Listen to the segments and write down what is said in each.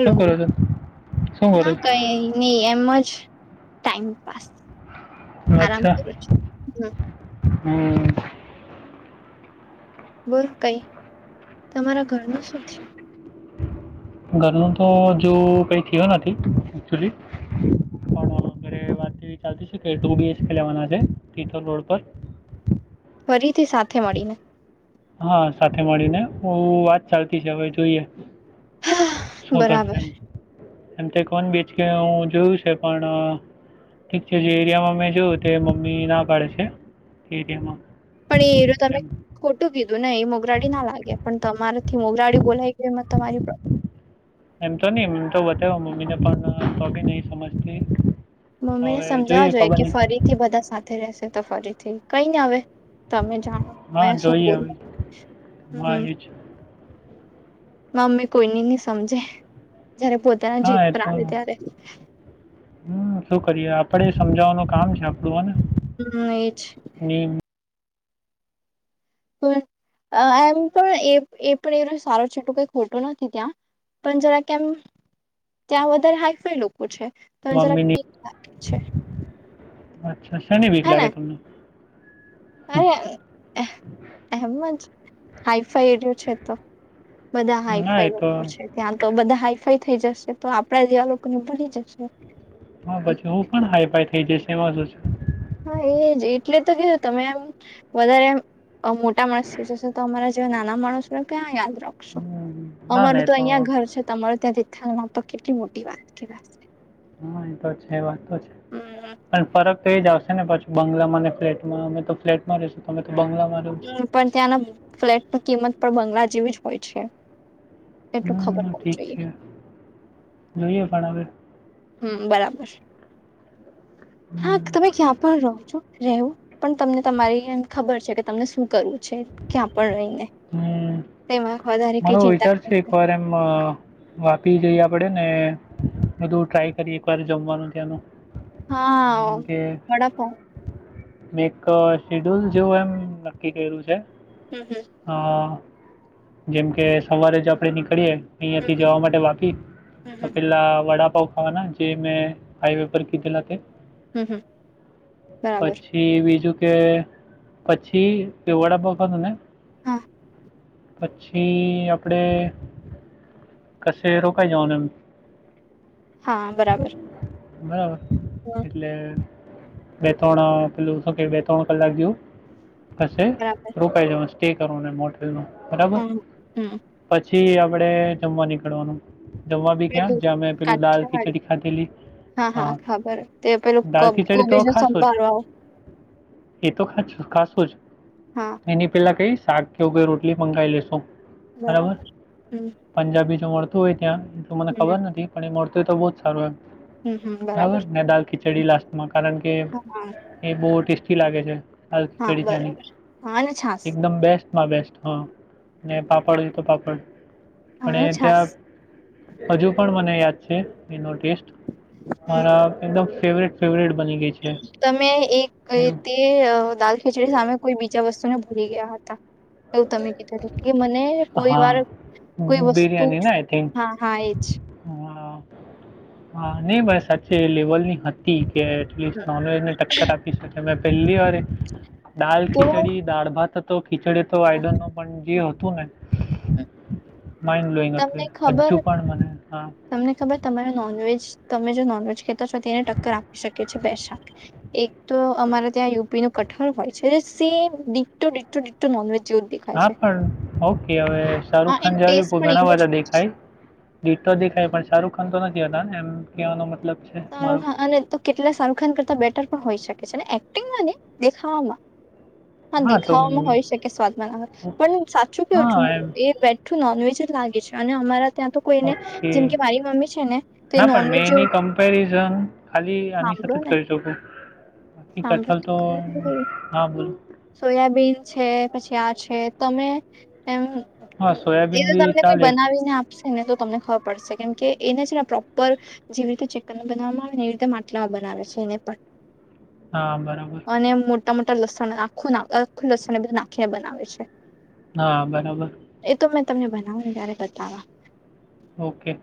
શું કરો છો શું કરો ના છો કઈ નઈ એમ જ ટાઈમ પાસ આરામ અચ્છા કરું છું. હમ હમ બોલ કઈ તમારા ઘરનું શું થયું ઘરનું તો હજુ કઈ થયું નથી એકચુલી પણ ઘરે વાતવી ચાલતી કે બી એે લેવાના છે પીથલ રોડ પર ફરીથી સાથે મળીને હા સાથે મળીને હ વાત ચાલતી છે હવે જોઈએ શું થશે બરાબર એ એમ તે કોણ બીચ કે હું જોયું છે પણ ઠીક છે જે એરિયામાં મેં જો તે મમ્મી ના પાડે છે તે એરિયામાં પણ એરૂ તમે એમ ખોટું કીધું ને એ મોગરાડી ના લાગે પણ તમારે થી મોગરાડી બોલાઈ ગયુ ન તમારી પ એમ તો ની એમ તો બતાવા મમ્મી ને પણ તો બી નઈ સમજતી તો મમ્મી ને હવે સમજાવ જોઈએ ખબર કે નહીં ફરીથી બધા સાથે રહેશે તો ફરીથી કઈ ન આવે તમે જાણો હા મેં શું જોઈએ બોલ હવે હા હમ એ છે મમ્મી કોઈની ન સમજે જ્યારે પોતે હા એતોનું હમ શું કરીએે આપડે સમજાવવાનું કામ છે આપણું ને હમ એ છે અને પણ એમ પણ એ પણ એ સારો છે એટલું કઈ ખોટું નથી ત્યાં પણ જરા કેમ ત્યાં વધારે હાફ લોકો છે ત જરાક મમ્મીની લાગે છે અચ્છા શનિ વીક હે ને લાગે તમને અરે એમ જ હાઈફાઈ એરિયો છે તો બધા ના હાઈફાઈ એ તો લોકો છે ત્યાં તો બધા હાઈફાઈ થઈ જશે તો આપણા જેવા લોકોને ભૂલી જશ હા પછી હું પણ હાઈફાઈ થઈ જશે એમાં શું હા એજ એટલે તો કેધું તમે એમ વધારે મોટા માણસ જશો તો અમારા નાના માણસો ત્યાં યાદ રાખશો હમ, ના ના અમારું એ તો અહિયાં ઘર છે તો તમારું ત્યાં તિથ તોકટ મોટી વાત કે વા હા એ તો છે વાતો તો છે હમ પણ ફરક તો એ જ આવશે ને પછી બંગલામાં ને ફ્લેટમાં અમે તો ફ્લેટમાં ર રહેશું તો અમે તો બંગલામાં રહો છો હમ પણ ત્યાંના ફ્લેટની કિંમત પણ બંગલા જેવી જ હોય છે એટલું ખબર હ પડવું ઠીક જોઈએ છે જોઈએ પણ હવે હમ બરાબર હા હમ તમે ક્યાં પણ રહો છો રહેવું પણ તમને તમારી ખબર છે કે તમને શું કરવું છે ક્યાં પણ રહીને હમ તેમાં વધારે કઈ મારો ચિંતા વિચાર છે એક કર વાર એમ વાપી જઈ આપડે ને બધું ટ્રાય કરી એકવાર જમવાનું ત્યાંનું જેમ હા કે વડાપાવ મે એક શેડ્યુલ જેવું એમ નક્કી કર્યું છે હમ હમ જેમ કે સવારે જ આપણે નીકળીએ હમ અહીંયાથી જવા માટે વાકી હમ તો હમ પેલાં વડાપઉ ખવાના જે મેં હાાઈવે પર કીધલાથે હમ હમ બરાબર એ બીજું કે પછી એ વડાપખવા હત ને હા પછી આપણે કશે રોકાાય જઓ હા બરાબર બરાબર હા એટલે બે ત્રણ પેલું શો કે બે ત્રણ કલાક જેવું પાછ બરાબર રોકાઈ જવાશે સ્ટે કરો મોટેલ ન બરાબર હમ હમ પછી આપડે જમવા નીકળવાનું દવા ભી કયા પેલું જ્યા મેં પેલું દાલ ક કાઠિયાવાડી ચટી ખાતે લી હા હા ખબર તે પેલું ખીચડી તો કોબીજ નું ખાશો સંભાળવા આવ એ તો ખ ખાસું જ હા એની પેલા કઈ શાક કેવું કઈ રોટલી મંગાવી લેશો બરાબર પંજાબી જો મળતું હોય ત્યાં એ તો મને હમ ખબર નથી પણ એ મળતું હોય તો બહુ જ સારું હો. હમ હમ બરાબર ને દાલ ખીચડી લાસ્ટમાં કારણ કે. હા એ બહુ ટેસ્ટી લાગે છે હાલ હા ખીચડી ચની બરાબર હા અને છાસ એકદમ બેસ્ટ માં બેસ્ટ હં પાપડ જ તો પાપડ હા અને છાસ ત્યાં હજુ પણ મને યાદ છે એનો ટેસ્ટ હમ મારા એકદમ ફેવરેટ ફેવરેટ બની ગઈ છે તમે એક એવું તે દાલ ખીચડી સામે કોઈ બીજા વસ્તુ ને ભૂલી ગયા હતા. એવું તમે કીધું કે મને કોઈ હા વાર કોઈ વસ્તુ બિરયાની ને આઈ થિંક હા. હા એ જ. હા હા નહી પણાઈ સાચે લેવલ ની હતી. કે એટસ્ટ હમ. નોનવેજ ને ટક્કર આપી શકે મે પહેલી વાર. દાલ તો ખીચડી દાળ ભાત હતો ખીચડી તો આઈડો નો પણ. એ હતું ને માઇડઈંગ તમને હતું હજુ ખબર પણ મને હા. તમને ખબર તમારો નોનવેજ તમે જો નોનવેજ એને ટક્કર આપી શકે છે બે શાખ, એક તો અમારે ત્યાં નો કઠર હોય છે. નોનવેજ જેવું જ દેખાય હા છે પણ ઓકે હવે હા શાહરૂુખ એનો ખાન જેવા ટેસ્ટ ભી પણ ઘણા એવું જ બધા દેખાય. ડીતો દેખાય પણ શાહરૂખ ખાન તો નથી હતા ને એમ, કવાનો મતલબ. છે મારો સારું અને તો કેટલા શાહરૂખ ખાન કરતા બેટર પણ હોય શકે છે ને એક્ટિંગમાં નહી દેખાવમાં હા, દેખામાં હોય શકે સ્વાદ બનાવે પણ સાચું કેવું હા છું એમ એ બેઠું થુ નોનવેજ જ લાગે છે અને અમારા ત્યાં તો કોઈને ઓકે જેમ કે મારી મમ્મી છે ને તો એ નોનવેજ જેવુ કમપેરીઝન ખાલી આની સાથે જ ને કરી શકું સાંભળો [unintelligible] તો ખરી હા, બોલ. સોયાબીન છે પછી આ છે તમે એમ હા સોયાબીન એ બી તમને કોઈ ચાલે બનાવીને આપશે ને તો તમને ખબર પડશે કેમ કે એને છે ને પ્રોપર જેવી રીતે ચિકકન બનાવામાં આવેને એવી રીતે માટલા બનાવે છે એને પણ હા બરાબર. અને મોટા મોટા લસણ આખું નાખ લસણ એ બધું નાખીને બનાવે છે. હા બરાબર. એતો મેં તમને બનાવું ને ત્યાંરે બતાવવા ઓકે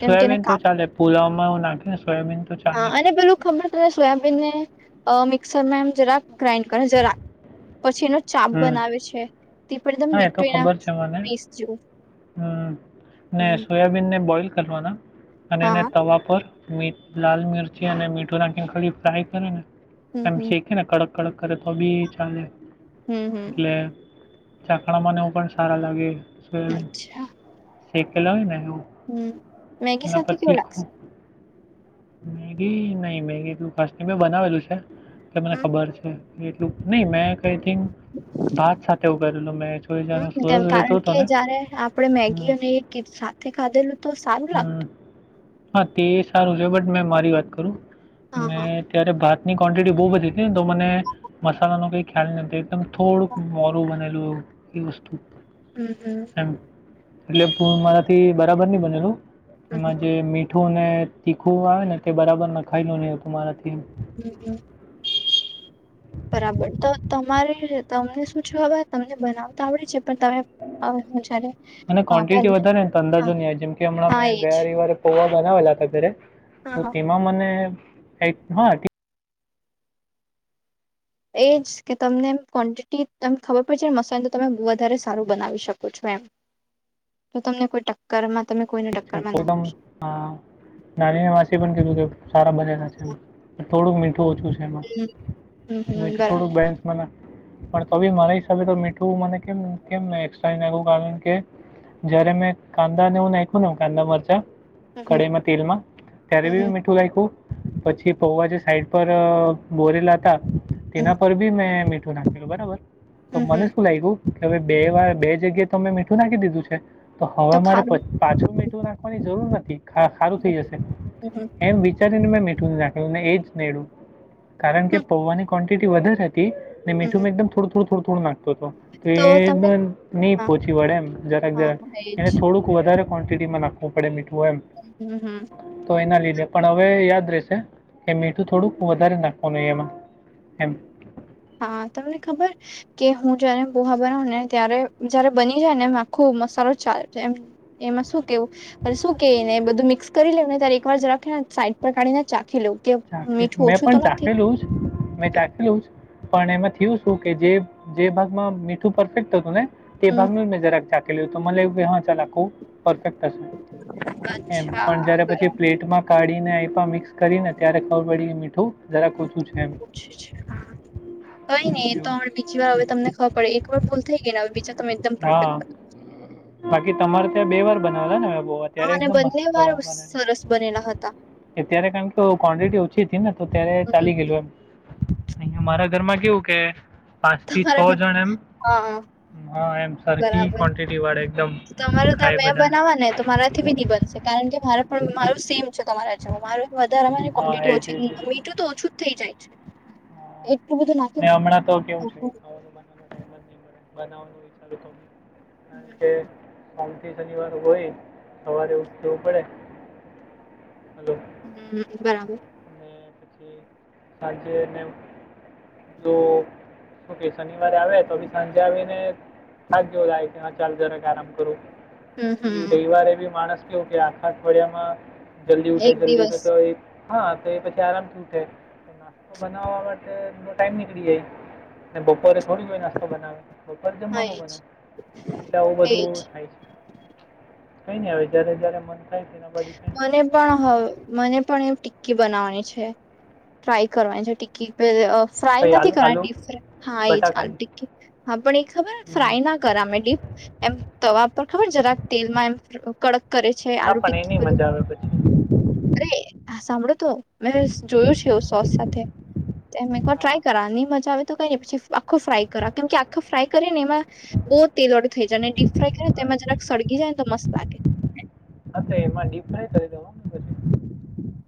કેમ કેને સોયાબીન તો કાપ ચાલે, પુલાવામાં હું નાખે ને સોયાબીન તો ચાલે એ પેલું ખબર અને સોયાબીન ને અહ મિક્સરમાં એમ જરાક ગ્રાઇન્ડ કરે જરાક પછી એનો ચાપ હમ બનાવે છે તે પણ એકદમ હા ડિટ્ટો એના પીસ જેવું હમ્મ, ને હમ સોયાબીનને બોઈલ કરવાના અને એને હા તવા પર મીઠ લાલ મિરચી અને મીઠુંના કડી ફ્રાય કરે હમ ને હમ શેક છે ને કડક કડક કરે તો બી ચાલે હમ એટલે હમ ચાકણામાંને એવું પણ સારા લાગે સોયાબીન અચ્છા સેકલા હોઈને એવુ હમ મેગી ના સાથે પર કેવું તીખૂ લાગશે મેગી નહી મેગી એટલું ખાસ ન મેં બનાવેલું છે, કે મને હમ ખબર છે. એટલું નહી મે આઈ થિક ભાત સાથે ઉભેલું મેં જોઈ જનું હમ સુરત કેમ રહેતો કારણ હતો ને હ. જયારે આપડે મેગી અને કે સાથે ખાધેલું તો સારું લાગતું હા તે સારું છે બટ મેં મારી વાત કરું. હા હા ત્યારે ભાતની ક્વોન્ટિટી બહુ વધી હતી ને તો મને, મસાલાનો કંઈ ખ્યાલ નથી. એ થોડુંક મોરું બનેલું એ એ વસ્તુ. હમ હમ. એટલે મારાથી બરાબર નહ બનેલું. હમ એમાં જે મીઠું અને તીખું આવે ને તે બરાબર ન ખાયલું નહી તમારાથી. હમ હમ [unintelligible] બરાબર તો તમારે તમને શું છે હવે તમને બનાવતા આવડે છે પણ તમે હવે હું જયારે અને અ ક્વન્ટિટી પહેલા વધારે તો હા અંદાજો નહીં જેમ કે હમણાં હા મેં એજ ગયા રવીવારે. પવા બનાવેલા હતા ઘરે હા તો હા તેમાં મને એજ કે તમને ક્વોન્ટિટી તમ ખબર પડશેને મસાાલ તો તમે વધારે સારું બનાવી શકો છો એમ. હ [inaudible] તો તમને કોઈ ટક્કર માં તમે કોઈને ટક્કરમાં ના પોમ નાનીને માસી પણ કીધું કે સારા બનેલા છે. થોડુંક મીઠું ઓછું છે હમ એમાં હમ હમ મીઠું થોડુંક બરાબર બેન્સ મ પણ તો બી મારા હિસાબે તો મીઠું મને કેમ કેમ એ્ર ના કારણ કે જયારે મેં કાંદા ને હું નાખું ને કાંદા મરચા હમ હમ કઢઈમાં તેલમાં ત્યારે બી હમ મીઠું પછી પૌવા જે સાઈડ પર બોરેલા હતા. હમ તેના પર બી મેં મીઠું નાખેલું બરાબર તો હમ હમ મને શું લાગ ગું. કે હવે બે વાર બે જગ્યાએ તો તમે મીઠું નાખી દીધું છે તો હવે મારે પ પાછું મીઠું નાખવાની જરૂર નથી સારું થઈ હમ જશે. હમ એમ વિચારીને મેં મીઠું ન નાખ્યુંને એ જ નેડ્યું કારણ કે હમ પૌવાની કો સિતિ વધારે હતી ને મીઠું હમ મે એકદમ થોડું થોડું થોડ થોડું નાખતો હતો. તો એ નહી હા પોહોંચી વડે એમ જરાક હા જરાક હા એજ એને થોડુંક વધારે. ક્વોન્ટિટીમાં નાખવું પડે મીઠું એમ. હમ હમ. તો એના લીધે પણ હવે યાદ રહેશે કે મીઠું થોડુંક વધારે નાખવાનું એમાં. એમ. હા તમને ખબર. કે હું જયારે બહા બનાવ ને ત્યારે જયારે બની જાય ને એમ આખો મસાલો જ ચાલે જ એ. એમાં શું કેવું. શું કે એને બધું મિક્સ કરી લેવ ને ત્યારે એક વાર જખે ને સાઈડ પર કાઢીને ચાખી લઉું. ચ મેં પણ ચખેલું જ મે ચા ખેલ પણ એમાં થયું શું કે જે ભાગમાં મીઠું પરફેક્ટ હતું ને. તે હમ ભાગનું મેં જરાક ચખલ તો મને લું કે હા ચાલું પરફેક્ટ હશે. એમ અચ્છા પણ જયારે બરાબર પછી પ્લેટમાં કાઢીને મિક્સ કરીને ત્યારે ખબર પડી મીઠું જરાક ઓછું છે એમ. કા નહી તો એવું બીજી વાર હવે તમને ખબર પડે એક વાર બોલ થઈ ગઈ ને હવે બીજા તમે એકદમ હા પરફેક્ટ બાકી તમારે ત્યાં બે વાર બનાવાતા ને હ બહુવાર. ત્યારે હા અને એકદમ મસ્ત બંને વાર બનેલા. સરસ બનેલા હતા અત્યારે કારણ કે ક્વોન્ટિટી ઓછી હતી ને તો ત્યારે હમ ચાલી ગયેલું એમ. અહં મારા ઘરમાં કેવું કે. પાંચથી છ તમારા ઘર જણ હા. એમ હા એમ સરખી બરાબર ક્વોન્ટિટી વાળે એકદમ તમારે ત્યાં ખાય મેં બધા. બનાવવા ને તો મારાથી બી નિ બંધશે કારણ કે મારા પણ મારું સેમ છે તમારા જવું મારુ. વધારે મને હા ક્વોન્ટિટી એ જ ઓછી એ જ, એ જ મીઠું તો ઓછું જ થઈ જાય છે. હા. એટલું બધું નાખી ને હમણાં તો કેવું છે ખાવાનું બના ટમ જ નહી મળે બનાવવાનું. તે હમ સોમ થી શનિવાર હોય સવારે ઉઠ જવું પડે હલો. હમ બરાબર. [unintelligible] સાજે એમ જો શું કે શનિવારે આવે તો બી સાંજે આવીને. થાક જોવ લાય કે ચાલ જરાક આરામ કરું હમ પછી હમ રવિવારે બી માણસ. કે આખા અઠવાડિયામાં જલ્દી ઉઠે એક જલ્દી ઉઠે દિવસ તો હા તો એ પછી આરામ શું છે તો નાસ્તો બનાવવા માટે બો ટાઈમ નીકળી જાય અને બહુ. બપોરે થોડી જોઈ નાસ્તો બનાવે બપોર હા જમવાનું એજ બનાવે એટલે આવું બધું એજ થાય છે. કઈ નઈ આવે જયારે જયારે મન થાય તના બાજુ. મને પણ હવે મને પણ એ ટિક્કી બનાવવાની છે ટ્રાય કરવાની છે ટિક્કી. પ ફ્રાય કઈ નથી આલુ આલુ કરવાનીડીપ હા એ ચાલ બટાકાની ટકી હા પણ એ ખબર હમ. ફ્રાય ના કર અમે ડીપ એમ તવા પર ખબર જરાક તેલમાં એમ કડક કરે છે આલુ ટીકી. તે મજા આવે પછી. અરે હ સાંભળો તો મે હમ. જોયું છે એ સોસ સાથે એમ એકવાર હા ટ્રાય કરા નહી મજા આવે તો કઈ પછી આખો ફ્રાય કરો કેમ કે આખો ફ્રાય કરીે ને એમાં બહુ તેલવાળું થઈ જાય અને ડીપ ફ્રાય કરે ને હા એ તેમાં તો જરાક સળગી જાય ને તો મસ્ત લાગે. અ એમાં ડીપ ફાય કરી દેવા પછ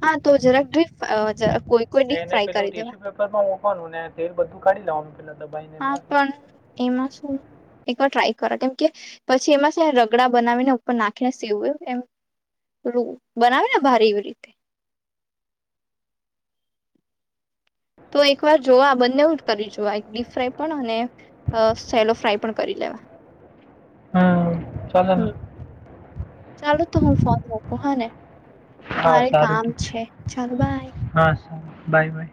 હા તો જરાક ડીપ કોઈ કોઈ ડીપ ફ્રાય કરી દેવા કૂકર માં મકવાનું ને તેલ બધું કાઢીેવાનું પેલા દબાઈને હા એમાં શું છે પણ એમાં શું એકવાર ટ્રાય કરો કેમ કે પછી એમાં છે, રગડા બનાવીને ઉપર નાખીને સીવું એમ બનાવે ને ભારે એવી રીતે તો એક વાર જોવા બંને કરી જોવા એક ડીપ ફ્રાય પણ અને અ સેલો ફ્રાય પણ કરી લેવા હમ્મ હમ ચાલો તો હું ફોન મકું હા ને હા મારે સારું કામ ઠીક છે, ચાલ ભાઈ હા બાય બાય